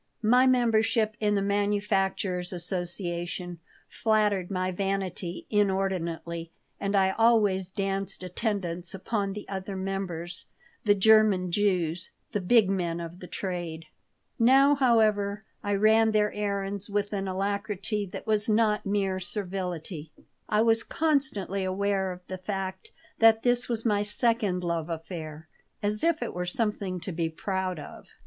My membership in the Manufacturers' Association flattered my vanity inordinately, and I always danced attendance upon the other members, the German Jews, the big men of the trade; now, however, I ran their errands with an alacrity that was not mere servility I was constantly aware of the fact that this was my second love affair, as if it were something to be proud of.